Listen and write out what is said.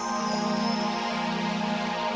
ada perolehan tuh ya cukup